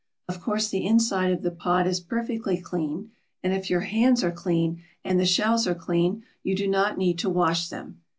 Of course the inside of the pod is perfectly clean, and if your hands are clean and the shells are clean, you do not need to wash them.